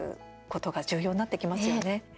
ことが重要になってきますよね。